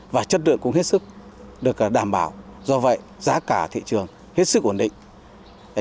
và chất lượng cũng hết sức được đảm bảo do vậy giá cả thị trường hết sức ổn định